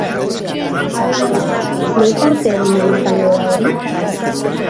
Baina, noiz arte egin ahal izango da hori?